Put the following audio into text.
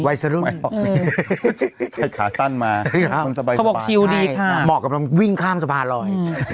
ไวสลุนเคยถ่ายขาสั้นมาเขาบอกชิวดีค่ะเหมาะกับวิ่งข้ามสะพาหนอย